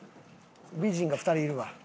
美人が２人いるわ。